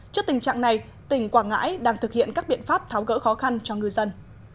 trước tình trạng này tỉnh quảng ngãi đang thực hiện các biện pháp tháo gỡ khó khăn cho ngư dân